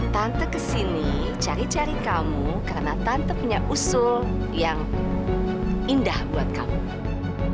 tante kesini cari cari kamu karena tante punya usul yang indah buat kamu